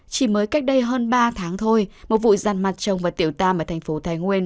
chỉ mới cách đây hơn ba tháng thôi một vụ giàn mặt chồng và tiểu tàm ở thành phố thái nguyên